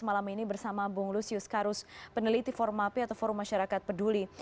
malam ini bersama bung lusius karus peneliti formapi atau forum masyarakat peduli